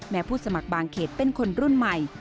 ผู้สมัครบางเขตเป็นคนรุ่นใหม่